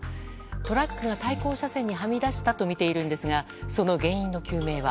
トラックが対向車線にはみ出したとみているんですがその原因の究明は。